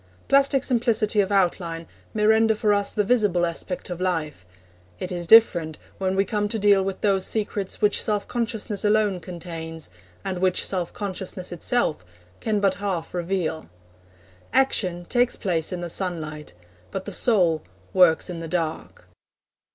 Plastic simplicity of outline may render for us the visible aspect of life; it is different when we come to deal with those secrets which self consciousness alone contains, and which self consciousness itself can but half reveal. Action takes place in the sunlight, but the soul works in the dark.